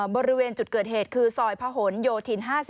บริเวณจุดเกิดเหตุคือซอยพะหนโยธิน๕๔